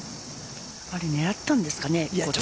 狙ったんですかね？